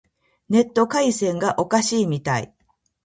ネット回線がおかしいみたい。